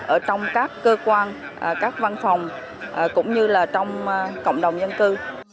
ở trong các cơ quan các văn phòng cũng như là trong cộng đồng dân cư